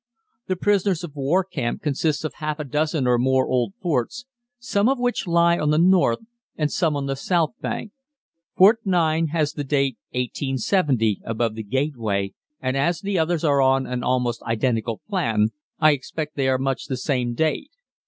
The prisoners of war camp consists of half a dozen or more old forts, some of which lie on the north and some on the south bank. Fort 9 has the date 1870 above the gateway and as the others are on an almost identical plan, I expect they are much the same date.